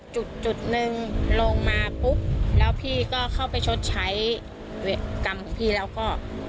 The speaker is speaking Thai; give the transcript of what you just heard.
จุดจุดหนึ่งลงมาปุ๊บแล้วพี่ก็เข้าไปชดใช้เวรกรรมของพี่แล้วก็